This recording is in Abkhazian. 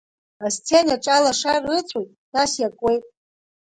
Асценаҿ алашара ыцәоит, нас иакуеит.